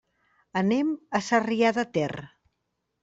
Anem a Sarrià de Ter.